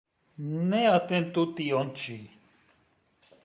Neatentu tion ĉi.